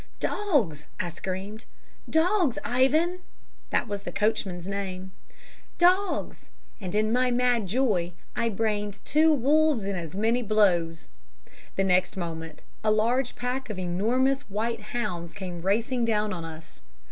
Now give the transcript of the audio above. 'Dogs!' I screamed, 'Dogs, Ivan!' (that was the coachman's name) 'Dogs!' and, in my mad joy, I brained two wolves in as many blows. The next moment a large pack of enormous white hounds came racing down on us.